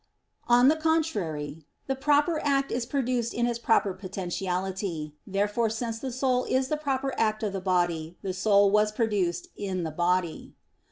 On the contrary, The proper act is produced in its proper potentiality. Therefore since the soul is the proper act of the body, the soul was produced in the body.